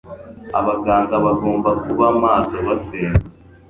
Abaganga bagomba kuba maso basenga,